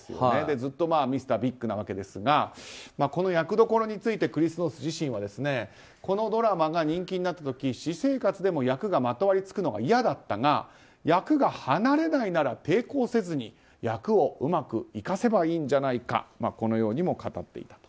ずっとミスター・ビッグなわけですがこの役どころについてクリス・ノース自身はこのドラマが人気になった時私生活でも役がまとわりつくのが嫌だったが役が離れないなら抵抗せずに役をうまく生かせばいいんじゃないかこのようにも語っていると。